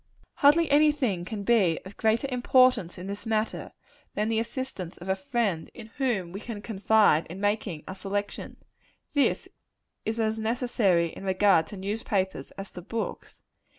Hardly any thing can be of greater importance in this matter, than the assistance of a friend, in whom we can confide, in making our selection. This is as necessary in regard to newspapers, as to books.